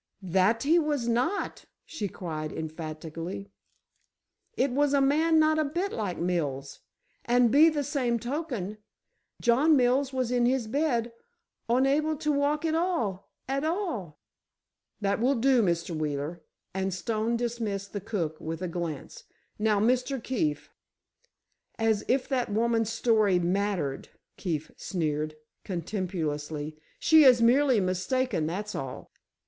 "That he was not!" she cried, emphatically. "It was a man not a bit like Mills, and be the same token, John Mills was in his bed onable to walk at all, at all." "That will do, Mr. Wheeler," and Stone dismissed the cook with a glance. "Now, Mr. Keefe?" "As if that woman's story mattered," Keefe sneered, contemptuously, "she is merely mistaken, that's all.